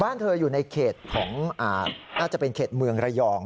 บ้านเธออยู่ในเขตของน่าจะเป็นเขตเมืองระยอง